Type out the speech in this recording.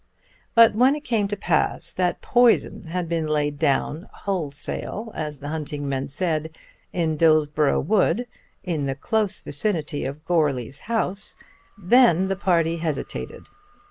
But when it came to pass that poison had been laid down, "wholesale" as the hunting men said, in Dillsborough Wood, in the close vicinity of Goarly's house, then the party hesitated.